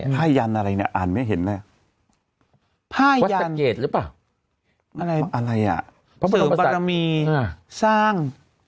ผ้ายันอะไรเนี่ยอ่านไม่เห็นเลยวัดสังเกตหรือเปล่าอะไรอ่ะพระเสริมบารมีสร้าง